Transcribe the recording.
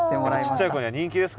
ちっちゃい子には人気ですか？